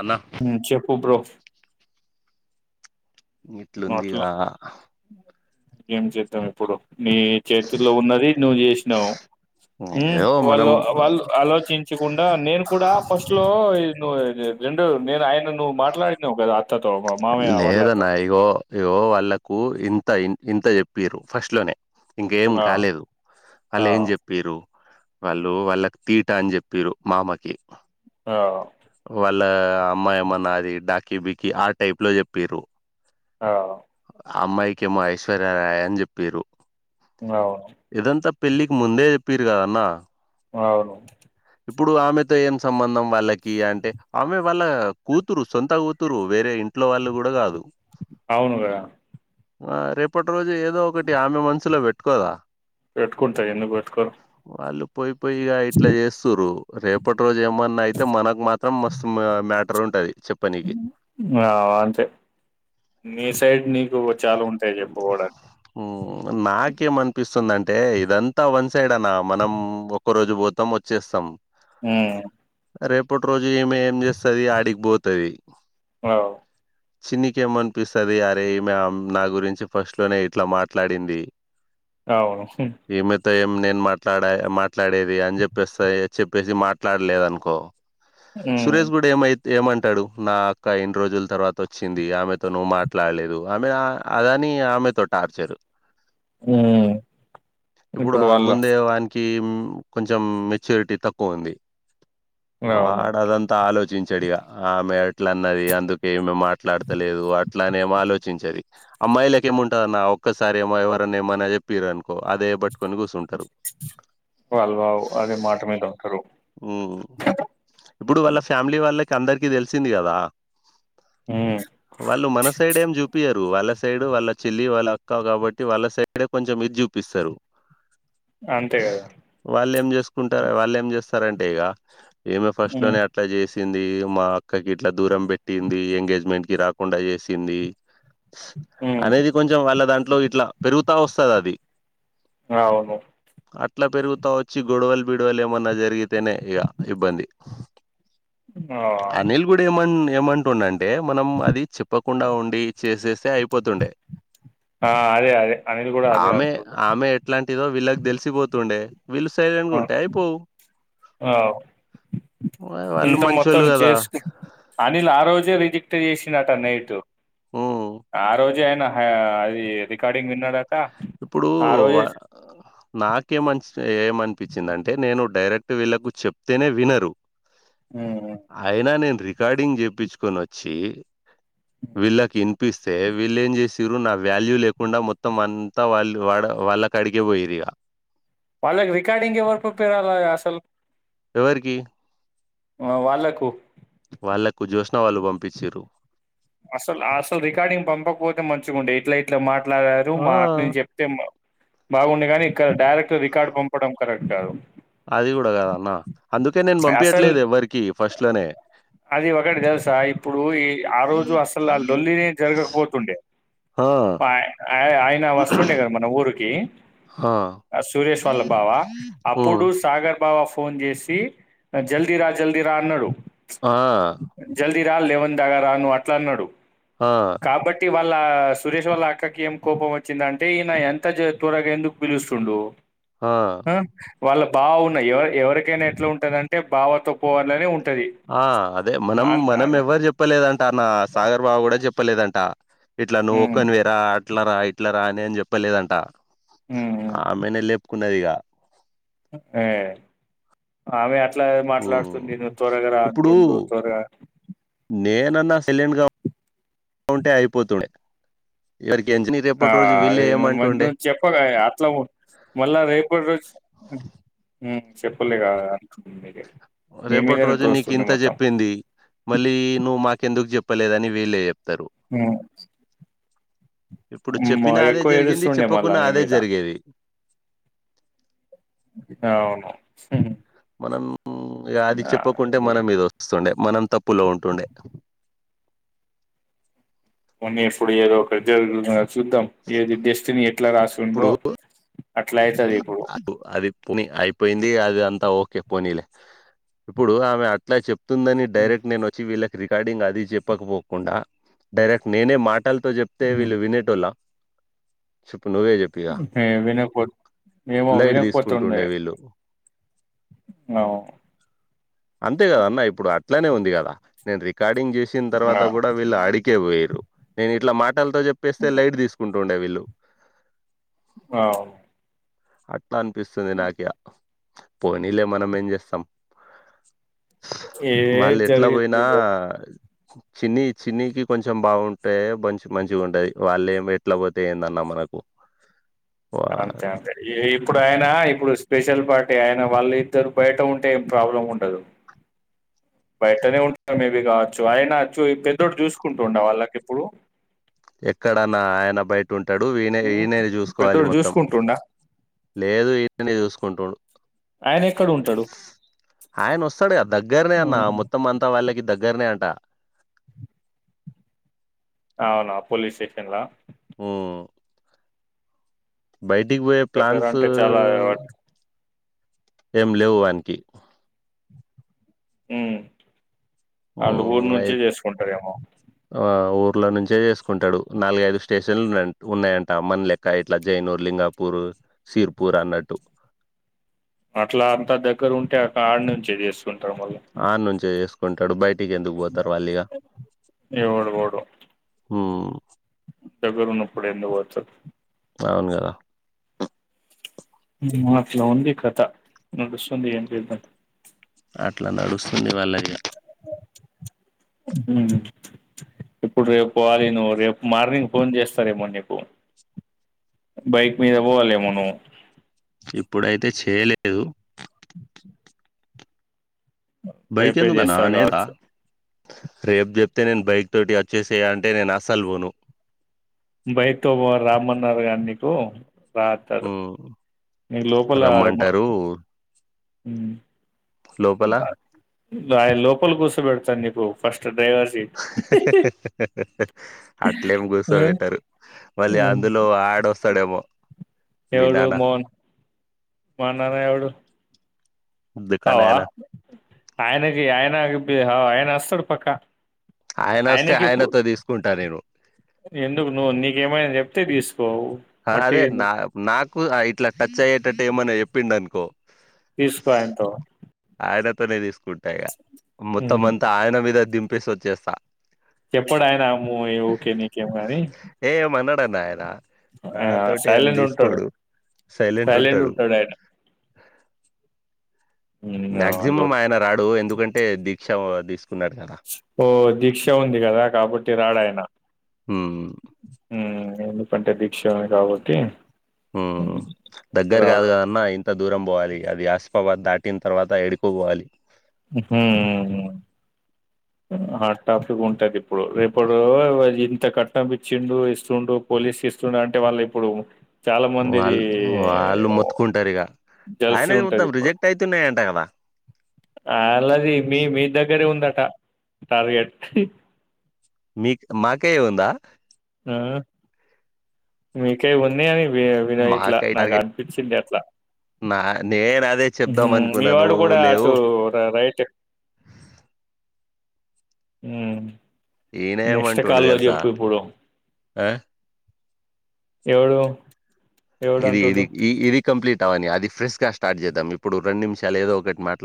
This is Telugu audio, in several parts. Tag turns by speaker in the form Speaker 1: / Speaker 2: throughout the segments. Speaker 1: అన్న
Speaker 2: హ్మ్ చెప్పు బ్రో
Speaker 1: ఇట్ల
Speaker 2: నోట్లో
Speaker 1: ఉందిరా
Speaker 2: ఏం చేద్దాం ఇప్పుడు నీ చేతుల్లో ఉన్నది నువ్వు చేసినావ్ హ్మ్
Speaker 1: ఏదో మనం
Speaker 2: వాళ్ళు వాళ్ళు ఆలోచించకుండా నేను కూడా ఫస్ట్ లో యిను రెండు నేను ఆయనను నువ్వు మాట్లాడినావు కదా అత్తతో మామయ్య వాళ్ళతో
Speaker 1: అయ్యో వాళ్ళలకు ఇంత ఇంత చెప్పిరు ఫస్ట్ లోనే ఇంకేం
Speaker 2: ఆ
Speaker 1: కాలేదు
Speaker 2: ఆ
Speaker 1: వాళ్ళు ఏం చెప్పిరు వాళ్ళు వాళ్ళకి తీట అని చెప్పిరు మామకి
Speaker 2: ఆ
Speaker 1: వాళ్ళ అమ్మాయి ఏమన్న నాది డాకీ బికిీ ఆ టైప్ లో చెప్పిరు
Speaker 2: ఆ
Speaker 1: అమ్మాయికేమో ఐశ్వర్యారయ అని చెప్పిరు
Speaker 2: అవును
Speaker 1: ఇదంతా పెళ్ళికి ముందే చెప్పిరు కదా అన్న
Speaker 2: అవును
Speaker 1: ఇప్పుడు ఆమెతో ఏం సంబంధం వాళ్ళకి అంటే ఆమె వాళ్ళ కూతురు సొంత కూతురు వేరే ఇం ఇంట్లో వాళ్ళు కూడా కాదు
Speaker 2: అవును కదా
Speaker 1: ఆ రేపటి రోజు ఏదో ఒకటి ఆమె మనసులో పెట్టుకోదా
Speaker 2: పెట్టుకుంటా ఎందుకు పెట్టుకోరు
Speaker 1: పోయిపోయిగా ఇట్లా చేస్తురు రేపటి రోజు ఏమన్నా అయితే మనకు మాత్రం మస్తు మా మా
Speaker 2: ఆ అంతే మీ సైడ్ నీకు వ చాలా ఉంటాయి చెప్పు పోడానికి
Speaker 1: ఉమ్, నాకేమనిపిస్తుందంటే ఇదంతా వన్ సైడ్ అన్న మనం ఒక్క రోజు పోతాం వచ్చేస్తాం
Speaker 2: హ్మ్
Speaker 1: రేపటి రోజు ఈమె ఏం చేస్తది ఆడికిపోతది
Speaker 2: అవ్
Speaker 1: చిన్నికేమనిపిస్తది అరే ఈమె నా గురించి ఫస్ట్లోనే ఇట్లా మాట్లాడింది
Speaker 2: అవును
Speaker 1: ఈమెతో ఏం నేను మాట్లాడ మాట్లాడేది అని చెప్పేస్తే చెప్పేసి మాట్లాడలేదు అనుకో
Speaker 2: ఉమ్
Speaker 1: సురేష్ కూడా ఏమై ఏమంటాడు నా అక్క ఇన్ని రోజుల తర్వా తోచ్చింది ఆమెతో నువ్వు మాట్లాడలేదు ఆమె అదని ఆమెతో టార్చర్
Speaker 2: ఉమ్
Speaker 1: ఇప్పుడు ఆ ముందే వానికి ఇమ్ కొంచం మెచ్యూరిటీ తక్కువ ఉంది
Speaker 2: అవును
Speaker 1: వాడదంతా ఆలోచిం చడు ఇగ ఆమె ఇట్ల అన్నది అందుకే ఈమె మా ట్లాడతలేదు అట్ల అనే ఏమో ఆలోచించేది అమ్మాయిలక ఏముంటదన్న ఒక్కసారి ఏమో ఎవరన్నా ఏమన్న చెప్పిరు అనుకో అదే బట్
Speaker 2: వాల్ వావ్ అదే మాట మీద ఉంటరు
Speaker 1: హ్మ్ ఇప్పుడు వాళ్ళ ఫ్యామిలీ వాళ్ళకి అందరికిీ తెలిసింది కదా
Speaker 2: ఉమ్
Speaker 1: వాళ్ళు మన సైడ్ ఏం చుపియరు వాళ్ళ సై సైడ్ వాళ్ళ చిల్లి వాళ్ళ అక్క కాబట్టి వాళ్ళ సైడే కొంచం ఇది చూపిస్తారు
Speaker 2: అంతే కదా
Speaker 1: కుంట వాళ్ళు ఏం చేస్తారంటే ఇగ ఈమె ఫస్ట్
Speaker 2: ఉమ్
Speaker 1: లోని అట్ల చేసి తింది మా అక్కకి ఇట్లా దూరం పెట్టింది ఎంగేజ్మెంట్ కి రాకుండా చేసింది
Speaker 2: ఉమ్
Speaker 1: అనేది కొంచం వాళ్ళ దాంట్లో ఇట్లా పెరుగుతా వస్తది అది
Speaker 2: ఆ అవును
Speaker 1: అట్లా పెరుగుతా వచ్చి గొడవలు బిడవలు ఏమన్నా జరిగితేనే ఇగ ఇబ్బంది
Speaker 2: ఆ
Speaker 1: అనిల్ కూడా ఏమ ఏమంటుండ అంటే మనం అది చెప్పకుండా ఉండి చేసేస్ సే అయిపోతుండే
Speaker 2: ఆ అదే అదే అనిల్ కూడా అదే
Speaker 1: ఆమె
Speaker 2: అంటుండు
Speaker 1: ఆమె ఎట్లాంటిదో వీళ్ళకి తెలిసిపోతుండే వీళ్ళు సైలెంట్‌గా
Speaker 2: ఆ
Speaker 1: ఉంటే అయిపోవు.
Speaker 2: ఆ
Speaker 1: వాళ్ళు
Speaker 2: ఇంత మొ
Speaker 1: మంచోళ్ళు
Speaker 2: త్తం
Speaker 1: గదా!
Speaker 2: చేస్కు అనిల్ ఆ రోజే [unintelligible] క్ట్ చేసినట నైట్
Speaker 1: హ్మ్.
Speaker 2: ఆ రోజు ఆయిన అది రికార్డింగ్ విన్నాడా
Speaker 1: ఇప్పుడు నాకేమని ఏమనిపించింది అంటే నేను డైరెక్ట్ వీళ్ళలకు చెప్తేనే వినరు
Speaker 2: ఉమ్
Speaker 1: అయినా నేను రికార్డింగ్ చేప్పించుకొని వచ్చి వీళ్ళకి ఇనిపిస్తే వీళ్ళేం చేసిర నా వాల్యూ లేకుండా మొత్తం త్త వాళ్ళ వాడ వాళ్ళకి అడికి పోయిరిగా
Speaker 2: వాళ్ళకి రికార్డింగ్ ఎవరు ప్రపేర్ అలా అసలు
Speaker 1: ఎవరికి
Speaker 2: ఆ వాళ్ళకు
Speaker 1: వాళ్లకు జ్యోస్న వాళ్ళు పంపించరు
Speaker 2: అసలు అసలు రికార్డింగ్ పంపకపోతే మంచిగా ఉండే ఎట్లా ఇట్లా మాట్లాడారు
Speaker 1: ఆ!
Speaker 2: మా అక్క నుంచి చెప్తే బాగుండే కానీ ఇక్కడ డైరెక్ట్ రికార్డు పంపడం కరెక్ట్ కాదు
Speaker 1: అది కూడా కదన్న అందుకే నేను
Speaker 2: అసలు
Speaker 1: పంపయట్లేదు ఎవ్వరికి ఫస్ట్ లోనే
Speaker 2: అది ఒకటి తెలుసా ఇప్పుడు ఈ ఆ రోజు అసలు లోల్లిని జరగకపోతుండే
Speaker 1: ఆ
Speaker 2: ఆయన వస్తుండే కదా మన ఊరు
Speaker 1: ఆ
Speaker 2: సురేశ వాళ్ళ బావ
Speaker 1: హ్మ్
Speaker 2: అప్పుడు సాగర్ బావ ఫోన్ చేసి జల్దీరా జల్దీరా అన్నాడు
Speaker 1: ఆ
Speaker 2: జల్దీరా లెవెన్ రా ను అట్లా అన్నాడు
Speaker 1: ఆ
Speaker 2: కాబట్టి వాళ్ళ ఇళ సురేష్ వాళ్ళ అక్కకి ఏం కోపం వచ్చిందంటే ఈయన ఎంత త్వరగా ఎందుకు పిలుస్తుండు
Speaker 1: ఆ
Speaker 2: వాళ్ళు బావ ఉన్నాయి ఎవ ఎవరికైనా ఎట్లా ఉంటుందంటే బావతో పోవాలనే ఉంట
Speaker 1: ఆ అదే మనం మనం ఎవ్వరు చెప్పలేదంట నా సాగర్ బాబు కూడా చెప్పలేదంట ఇట్లా నువ్వు
Speaker 2: హ్మ్.
Speaker 1: ఒక్కనివరా అట్ల రా ఇట్ల రా అని అని చెప్పలేదంట
Speaker 2: ఉమ్
Speaker 1: ఆమెనే లే కున్నదిగా
Speaker 2: అ అ అట్లా మాట్లాడుతుంది
Speaker 1: హ్మ్.
Speaker 2: నేను త్వరగా రా
Speaker 1: ఇప్పుడు
Speaker 2: అంటుండు త్వరగా
Speaker 1: నేనన్నా సైలెంట్ గా ఉంటే అయిపోతుండే ఇవరికి
Speaker 2: ఆ అ మరి ను్ చెప్పగా అట్లా మళ్ళా రేపటి రోజు చెప్పలే కదా
Speaker 1: రేపటి రోజు నీకు ఇంత చెప్పింది మళ్ళీ నువ్వు మాకెందుకు చెప్పలేదని వీలే
Speaker 2: మ్మ్
Speaker 1: ఇప్పుడు చెప్పినా అదే జరిగింది
Speaker 2: ఏడుస్తుండే మళ్ళా
Speaker 1: చెప్పకున్నా
Speaker 2: నీ
Speaker 1: అదే
Speaker 2: మీద
Speaker 1: జరిగేది
Speaker 2: అవును
Speaker 1: మనం అ్యది
Speaker 2: ఆ
Speaker 1: చెప్పకుంటే
Speaker 2: ఏ-
Speaker 1: మనం ఇద వస్తుండే మనం తప్పులో ఉంటుండే
Speaker 2: మన్ని ఎప్పుడు ఏదో ఒక జరుగు చూద్దాం ఏది డెస్టినీ ఎట్లా
Speaker 1: ఇప్పుడు
Speaker 2: రాసిందో
Speaker 1: అ అది పుని అయిపోయింది అది అంత ఓకే పోనీలే ఇప్పుడు ఆమె అట్ల చెప్తుందని డైరెక్ట్ నేను వచ్చి వీళ్ళ రికార్డింగ్ అది చెప్పకపోకుండా డైరెక్ట్ నేనే మాటలతో చెప్తే
Speaker 2: ఉమ్.
Speaker 1: వీళ్ళు వినేటోళ్ళ చెప్పు నువ్వే చెప్పిగా
Speaker 2: వినక పో మేమో
Speaker 1: లైట్
Speaker 2: వినకపోతుండే
Speaker 1: తీసుకుంటుండే వీళ్ళు
Speaker 2: అ
Speaker 1: అంతే కదా అన్న ఇప్పుడు అట్లనే ఉంది కదా నేను రికార్డింగ్ చేసిన తర్వాత
Speaker 2: ఆ.
Speaker 1: కూడా వీళ్ళు ఆడి పోయరు నేను ఇట్లా మాటలతో చెప్పేస్తే లైట్ తీసుకుంటుండే వీళ్ళు
Speaker 2: అ
Speaker 1: అట్లా అనిపిస్తుంది నాకే పోనీలే మనం ఏం చేస్తాం మళ్ళీ
Speaker 2: ఏది
Speaker 1: ఎట్ల
Speaker 2: జరిగేది
Speaker 1: పోయినా
Speaker 2: నిజమే
Speaker 1: చిన్ని చిన్నికి కొంచెం బాగుంటే మంచి మంచిగా ఉంటది వాళ్ళ ఏమి ఎట్ల పోతే ఏందన్నమ మనకు వా-
Speaker 2: అంతే అంతే ఇప్పుడు ఆయనా ఇప్పుడు స్పెషల్ పార్ట్ అంటే ఆయన వాళ్ళ ఇద్దరు బయట ఉంటే ఏం ప్రాబ్లం ఉండదు
Speaker 1: త్
Speaker 2: బయటనే ఉంటారు మేబీ కావచ్చు అయినా చూ పెద్దోడు చూసుకుంటుండ వాళ్ళకి ఇప్పుడు
Speaker 1: ఎక్కడన్నా ఆయన బయట ఉంటాడు ఈయనే ఈననే చూసుకోవాలి
Speaker 2: పెద్దోడు
Speaker 1: మొత్తం
Speaker 2: చూసుకుంటుండా
Speaker 1: లేదు ఇననే చూసుకుంటుండు
Speaker 2: ఆయన ఎక్కడ ఉంటాడు
Speaker 1: ఆయన వస్తాడు దగ్గరనే అన్న
Speaker 2: హ్మ్.
Speaker 1: మొత్తం అంతా వాళ్ళకి దగ్గరనే అట
Speaker 2: అవునా పోలీస్ స్టేషన్ల
Speaker 1: ఉ బయటికి పోయే
Speaker 2: దగ్గర
Speaker 1: ప్లాన్స్
Speaker 2: అంటే చాలా
Speaker 1: ఏం లేవు వానికి
Speaker 2: ఉ వాళ్ళ ఊరు
Speaker 1: ఉమ్,
Speaker 2: నుంచే చేసుకుంటారేమో
Speaker 1: లో నుంచే చేసుకుంటాడు నాలుగైదు స్టేషన్లు ఉన్నాయంట ఉన్నాయంట అ మన లెక్క ఇట్లా జైనూర్ లింగాపూర్ సిర్పూర్ అన్నట్టు
Speaker 2: అట్లా అంతా దగ్గర ఉంటే అట ఆడ నుంచే చేసు
Speaker 1: అడ నుంచేసుకుంటాడు బయ కెందుకు బోతర్ వాళ్లిగా
Speaker 2: ఎవడు పోడు
Speaker 1: ఉ
Speaker 2: దగ్గర ఉన్నపుడు ఎందుకు పో తర్
Speaker 1: అవును గదా
Speaker 2: నాట్ల ఉంది కథ నడుస్తుంది ఏం చేద్దాం
Speaker 1: అట్లా నడుస్తుంది వాళ్ళఇగ
Speaker 2: ఉ ఇప్పుడు రేపు పోవాలి నువ్వు రేపు మార్నింగ్ ఫోన్ చేస్తారేమో నీకు బైక్ మీద పోవాలెమో నువ్వు
Speaker 1: ఇప్పుడైతే చేయలేదు
Speaker 2: రేపే
Speaker 1: భైకెందుకన్నా
Speaker 2: చేస్తారు
Speaker 1: నే నా
Speaker 2: కావచ్చు.
Speaker 1: రేపు చెప్తే నేను బైక్ తోటి వచ్చేసే అంటే నేను అస్సలు పోను
Speaker 2: బైక్తో రమ్మన్నారు గని నీకు ట్రాక్టర్
Speaker 1: ఉమ్
Speaker 2: నీ లోపల ఉ
Speaker 1: రమ్మంటారు లోపల
Speaker 2: ఆయన లోపల కూర్చబెడతను నీకు ఫస్ట్ ట్
Speaker 1: హా [inaudible] అట్లేమి
Speaker 2: ఆ!
Speaker 1: కూర్సోబెట్టరు మళ్ళీ
Speaker 2: ఆ!
Speaker 1: అందులో అడ వస్త స్థాడేమో
Speaker 2: ఎవడు మోహన్ మన్నానా ఎవడు అవా
Speaker 1: దుకాణాయన
Speaker 2: ఆయనగి ఆయనగి బ ఆయన అస్తడు పక్క
Speaker 1: ఆయన వస్తే
Speaker 2: ఆయనకి ఇప్పు
Speaker 1: ఆయనతో తీసుకుంటా నేను
Speaker 2: ఎందుకు నువ్వు నీకేమైని చెప్తే తీసు పో
Speaker 1: ఆ, అదే
Speaker 2: మట్టింది
Speaker 1: నా నాకు ఇట్లా టచ్ అయ్యేటట్టు ఏమన్నా చెప్పిండనుకో
Speaker 2: తీసుకోయంతో
Speaker 1: ఆయనతోనే తీసుకుంటాయిగ మొత్తం
Speaker 2: హ్మ్.
Speaker 1: అంతా ఆయన మీద దింపేసి ఓచ్చేస్తా
Speaker 2: ఎప్పడు ఆయనాము ఓకే నీకేం కాని
Speaker 1: ంట ఆయన నాతోటి ఏం
Speaker 2: సైలెంట్ ఉంటాడు.
Speaker 1: తీసుకోడు సైలెంట్ ఉంటాడు
Speaker 2: హ్మ్.
Speaker 1: మాక్సిమం
Speaker 2: అల్లుడు.
Speaker 1: ఆయన రాడు ఎందుకంటే దీక్ష తీసుకున్నాడు కదా
Speaker 2: ఓ దీక్ష ఉంది కదా కాబట్టి రాడాయినా
Speaker 1: ఉమ్
Speaker 2: నేందు పంటే దీక్షని కాబట్టి
Speaker 1: ఉమ్ దగ్గర కాదు
Speaker 2: రాడు.
Speaker 1: కదన్న ఇంత దూరం పోవాలి అది ఆస్పవా దాటిన తర్వాత ఎడుకో పోవాలి
Speaker 2: ఉమ్
Speaker 1: [unintelligible]
Speaker 2: హాట్ టాపిక్ ఉంటది ఇప్పుడు రేపుడు ఇంత కట్టపిచ్చిండు ఇస్తుడు పోలీస్ ఇస్తున్నారు అంటే వాళ్ళు ఇప్పుడు
Speaker 1: వాళ్ళు వాళ్ళు మొత్తుకుంటారు ఇగ
Speaker 2: జెల్సీ
Speaker 1: ఆయన మొత్తం
Speaker 2: ఉంటదిప్పుడు.
Speaker 1: రిజెక్ట్ అయితున్నాయంట కదా
Speaker 2: చలాది మీ మీ దగ్గరే ఉందట టార్గెట్
Speaker 1: మీ మాకేముందా
Speaker 2: మీకే ఉంది అని వి వినట్లా
Speaker 1: మాకై
Speaker 2: నాకు
Speaker 1: టార్గెట్
Speaker 2: అనిపించింది అట్లా
Speaker 1: నా నేను అదే చెప్దాం అనుకున్నా
Speaker 2: మీవాడు
Speaker 1: నువ్వు
Speaker 2: కూడా
Speaker 1: లేవు
Speaker 2: అటు రైట్ ఉమ్
Speaker 1: ఈయన
Speaker 2: నెక్స్ట్
Speaker 1: ఏమంటుండు
Speaker 2: కాల్లో
Speaker 1: తెలుసా
Speaker 2: చెప్పిప్పుడు
Speaker 1: ఆ
Speaker 2: ఎవడు ఎవడు
Speaker 1: ఇది ఇది
Speaker 2: అంటుండు
Speaker 1: ఇ ఇది కంప్లీట్ అవని అది ఫ్రెష్ గా స్టార్ట్ చేద్దాం ఇప్పుడు రెండు నిమిషాలు ఏదో ఒకటి మాట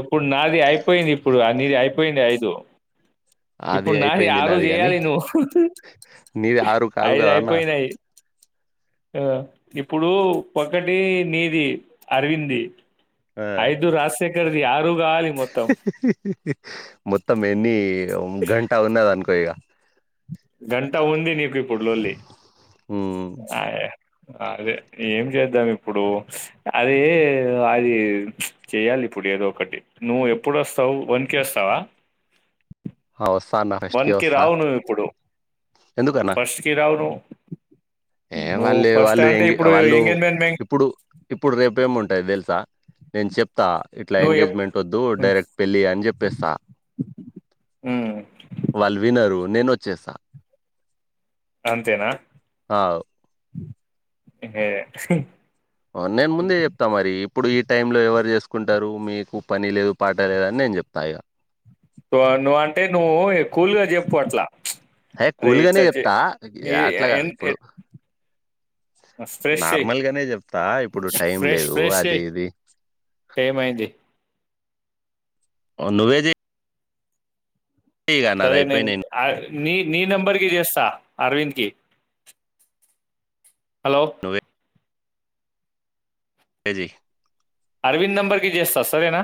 Speaker 2: ఇప్పుడు నాది అయిపోయింది ఇప్పుడు ఆ నీది అయిపో పోయింది అఐదు
Speaker 1: అది
Speaker 2: ఇప్పుడు నాది
Speaker 1: అయిపోయింది
Speaker 2: ఆరు
Speaker 1: గాని
Speaker 2: చేయాలి నువ్వు
Speaker 1: నీది ఆరు కాదు
Speaker 2: ఐదు
Speaker 1: కదా అన్న
Speaker 2: అయిపోయినాయి ఆ ఇప్పుడు ఒకటి నీది అరవింద్ది
Speaker 1: ఆ
Speaker 2: ఐదు రాజశేఖర్ది ఆరు కావాలి మొత్తం
Speaker 1: మొత్తం ఎన్ని గంట ఉన్నదనుకో ఇగ
Speaker 2: గంటా ఉంది నీకు ఇప్పుడ్ లొల్లి
Speaker 1: ఉమ్
Speaker 2: ఆ అదే ఏం చేద్దాం ఇప్పుడు అదే అది చెయాలి ఇప్పుడు ఏదో ఒకటి నువ్వు ఎప్పుడు వస్తావు వన్కి వస్తావా
Speaker 1: మ్మ్మ్
Speaker 2: వన్ కి రావు నువ్వు ఇప్పుడు
Speaker 1: ఎందుకన్నా
Speaker 2: ఫస్ట్ కి రావు ను్వు
Speaker 1: ఏ వాళ్ళు వాళ్ళు ఎి వాళ్ళు
Speaker 2: ఎంగేజ్మెంట్ మే
Speaker 1: ఇప్పుడు ఇప్పుడు రేపేముండ ై తెలుసా నేను చెప్ ఆ ఇట్లా
Speaker 2: నువ్వు ఎప్
Speaker 1: ఎంగేజ్మెంట్ వద్దు డైరెక్ట్ పెళ్ళి అని చెప్పేస్తా
Speaker 2: ఉమ్,
Speaker 1: వాళ్ళు వినరు నేనొచ్చేస్త
Speaker 2: అంతేనా
Speaker 1: ఆ వు
Speaker 2: ఏ
Speaker 1: నేను ముందే చెప్తా మరి ఇప్పుడు ఈ టైంలో ఎవరు చేసుకుంటారు మీకు పని లేదు పాట లేదు అని నేను చెప్తా ఇగ
Speaker 2: నువ అంటే నువ్వు కూల్గా చెప్పు అట్లా
Speaker 1: హే
Speaker 2: అరే ఇచ్చ
Speaker 1: కూల్గానే చెప్తా
Speaker 2: ఏ
Speaker 1: అట్లా కాదు
Speaker 2: ఎ
Speaker 1: ఇప్పుడు
Speaker 2: ఫస్ట్ ఫ్రెష్ చెయ్
Speaker 1: నార్మల్ గానే చెప్తా ఇప్పుడు టైం
Speaker 2: ఫ్రెష్
Speaker 1: లేదు
Speaker 2: ఫ్రెష్
Speaker 1: అది
Speaker 2: చేయ్
Speaker 1: ఇది
Speaker 2: ఏమైంది
Speaker 1: నువ్వేచెయ్
Speaker 2: సరే నేను
Speaker 1: అయిపోయినయి
Speaker 2: నీ నీ నెంబర్కిి చేస్తా అరవింద్ కి హలో
Speaker 1: కేజీ
Speaker 2: అరవింద్ నంబర్కిి చేస్తా సరేనా